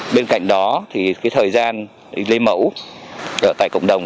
bên cạnh đó thời gian lấy mẫu tại cộng đồng